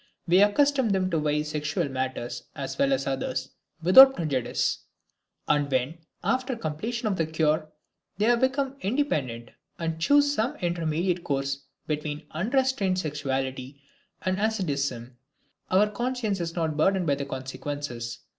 We accustom them to weigh sexual matters, as well as others, without prejudice; and when, after the completion of the cure, they have become independent and choose some intermediate course between unrestrained sexuality and asceticism, our conscience is not burdened by the consequences.